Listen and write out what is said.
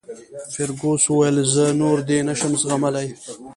فرګوسن وویل: زه نور دی نه شم زغملای.